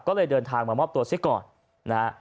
ก็เลยเดินทางมามอบตัวซิก่อนนะฮะ